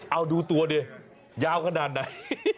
เอาดูตัวดิยาวขนาดไหน